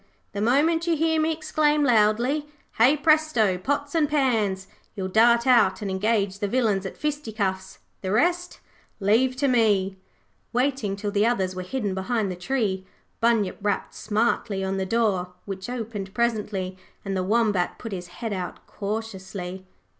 The moment you hear me exclaim loudly, "Hey, Presto! Pots and Pans", you will dart out and engage the villains at fisticuffs. The rest leave to me.' Waiting till the others were hidden behind the tree, Bunyip rapped smartly on the door which opened presently and the Wombat put his head out cautiously.